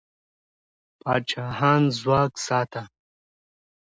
پاچاهان ځواک ساته.